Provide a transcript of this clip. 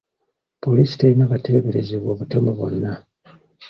Poliisi terina bateeberezebwa butemu bonna.